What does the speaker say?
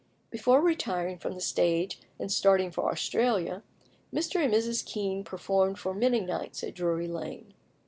Before retiring from the stage and starting for Australia, Mr. and Mrs. Kean performed for many nights at Drury Lane.